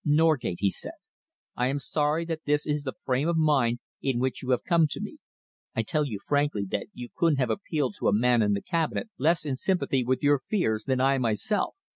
"Norgate," he said, "I am sorry that this is the frame of mind in which you have come to me. I tell you frankly that you couldn't have appealed to a man in the Cabinet less in sympathy with your fears than I myself."